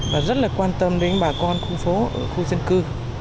và rất là quan tâm đến bà con khu phố ở khu dân cư